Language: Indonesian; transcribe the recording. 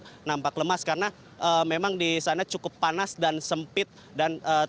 mereka juga menemukan karyawan yang tersebut menunjukkan bahwa mereka tidak bisa berada di tempat yang tersebut